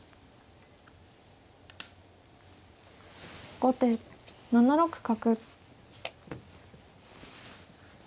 後手７六角。